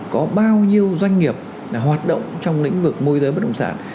có bao nhiêu doanh nghiệp hoạt động trong lĩnh vực môi giới bất động sản